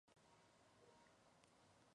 El recurso fue rechazado.